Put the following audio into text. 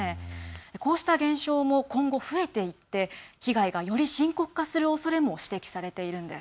こうした現象も今後増えていって被害がより深刻化するおそれも指摘されているんです。